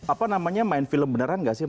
apa namanya main film beneran gak sih